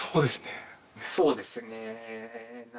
そうですね。